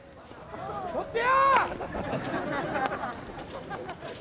捕ってよ。